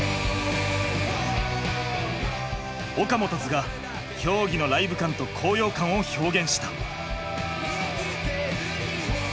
’Ｓが競技のライブ感と高揚感を表現した。